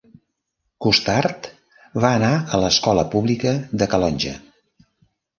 Costart va anar a l'escola pública de Calonge.